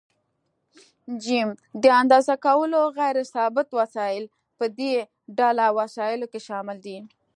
ج: د اندازه کولو غیر ثابت وسایل: په دې ډله وسایلو کې شامل دي.